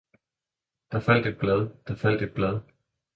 der faldt et blad, der faldt et blad!